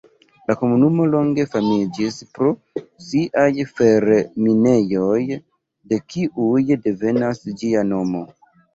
La komunumo longe famiĝis pro siaj fer-minejoj, de kiuj devenas ĝia nomo.